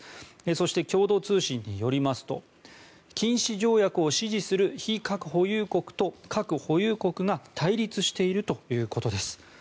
そして、共同通信によりますと禁止条約を支持する非核保有国と核保有国が対立しているということです。